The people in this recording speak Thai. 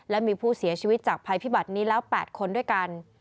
และมีผู้เสียชีวิตจากภัยพิบัตินี้แล้ว๘คนด้วยกัน